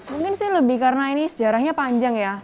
mungkin sih lebih karena ini sejarahnya panjang ya